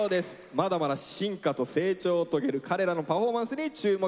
まだまだ進化と成長を遂げる彼らのパフォーマンスに注目して下さい。